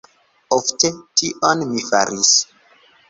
Ofte, tion mi faris.